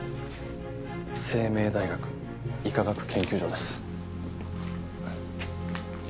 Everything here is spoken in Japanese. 整命大学医科学研究所です。